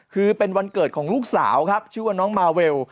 คือเป็นวันเกิดของลูกสาวครับชื่อว่าน้องมาเวล